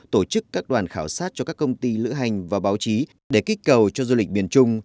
tổ chức các đoàn khảo sát cho các công ty lữ hành và báo chí để kích cầu cho du lịch miền trung